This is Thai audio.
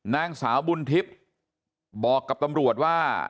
นางสาวบุญทิพย์บอกกับตำรวจว่า